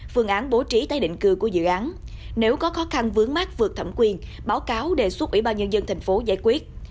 phương án bố trí tái định cư của dự án nếu có khó khăn vướng mát vượt thẩm quyền báo cáo đề xuất ubnd thành phố giải quyết